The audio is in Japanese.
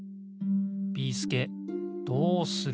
ビーすけどうする！？